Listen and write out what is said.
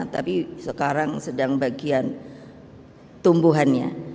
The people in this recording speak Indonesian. tapi sekarang sedang bagian tumbuhannya